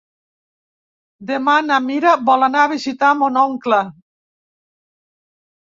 Demà na Mira vol anar a visitar mon oncle.